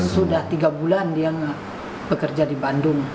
sudah tiga bulan dia bekerja di bandung